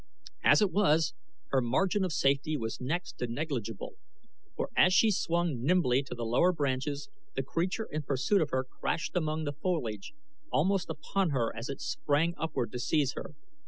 As it was, her margin of safety was next to negligible, for as she swung nimbly to the lower branches the creature in pursuit of her crashed among the foliage almost upon her as it sprang upward to seize her.